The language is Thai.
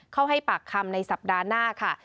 ให้ปากคำในสัปดาห์หน้าค่ะ